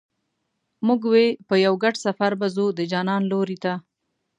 موږ وې په یو ګډ سفر به ځو د جانان لوري ته